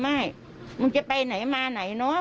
ไม่มึงจะไปไหนมาไหนเนอะ